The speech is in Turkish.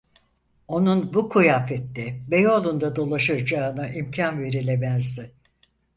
Onun bu kıyafette Beyoğlu’nda dolaşacağına imkân verilemezdi.